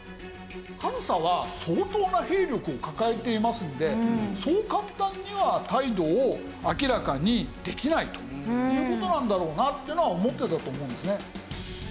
上総は相当な兵力を抱えていますのでそう簡単には態度を明らかにできないという事なんだろうなっていうのは思ってたと思うんですね。